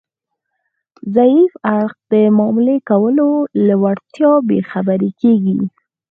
ضعیف اړخ د معاملې کولو له وړتیا بې برخې کیږي